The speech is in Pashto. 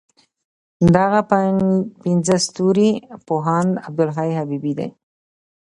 دغه پنځه ستوري پوهاند عبدالحی حبیبي دی.